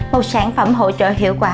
một sản phẩm hỗ trợ hiệu quả